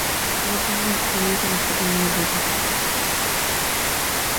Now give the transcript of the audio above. Comenzó a jugar tenis a los cuatro años de edad.